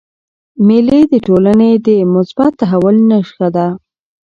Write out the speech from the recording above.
مېلې د ټولني د مثبت تحول نخښه ده.